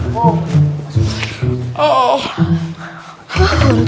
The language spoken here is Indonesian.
bu masuk sini